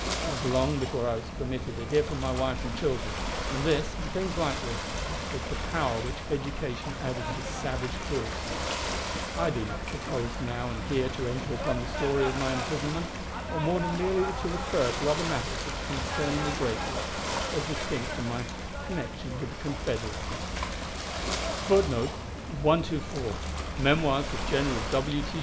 It was long before I was permitted to hear from my wife and children, and this, and things like this, was the power which education added to savage cruelty; but I do not propose now and here to enter upon the story of my imprisonment, or more than merely to refer to other matters which concerns me personally, as distinct from my connection with the Confederacy. [Footnote 124: "Memoirs of General W. T.